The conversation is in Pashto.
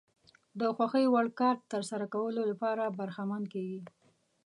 د خوښې وړ کار ترسره کولو لپاره برخمن کېږي.